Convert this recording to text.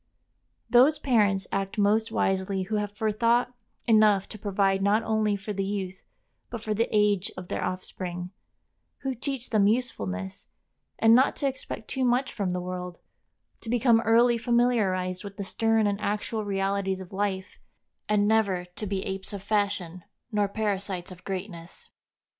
Those parents act most wisely who have forethought enough to provide not only for the youth, but for the age of their offspring; who teach them usefulness, and not to expect too much from the world; to become early familiarized with the stern and actual realities of life, and never to be apes of fashion nor parasites of greatness.